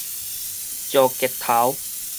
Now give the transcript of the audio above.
石碣頭